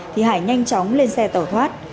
thì hải nhanh chóng lên xe tẩu thoát